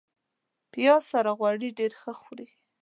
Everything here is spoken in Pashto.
پیاز سره غوړي ډېر ښه خوري